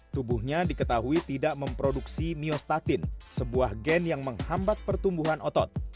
tubuhnya diketahui tidak memproduksi myostatin sebuah gen yang menghambat pertumbuhan otot